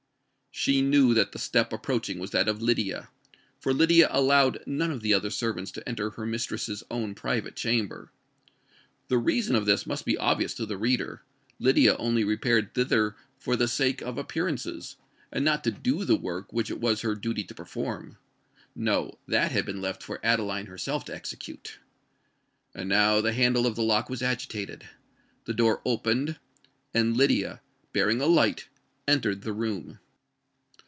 She knew that the step approaching was that of Lydia; for Lydia allowed none of the other servants to enter her mistress's own private chamber. The reason of this must be obvious to the reader:—Lydia only repaired thither for the sake of appearances—and not to do the work which it was her duty to perform. No—that had been left for Adeline herself to execute! And now the handle of the lock was agitated—the door opened—and Lydia, bearing a light, entered the room.